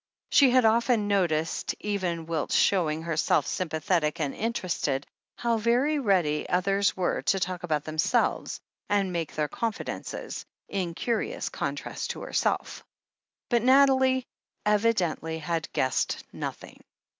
She had often noticed, even whilst showing herself sympathetic and interested, how very ready others were to talk about themselves, and make their confidences — in curious con trast to herself. THE HEEL OF ACHILLES 403 But Nathalie evidently had guessed nothing.